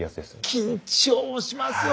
緊張しますよ